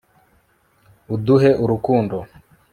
uduhe urukundo